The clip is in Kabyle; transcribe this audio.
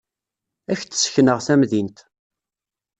Ad k-d-ssekneɣ tamdint.